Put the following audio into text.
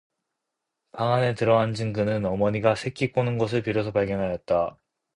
방 안에 들어앉은 그는 어머니가 새끼 꼬는 것을 비로소 발견하였다.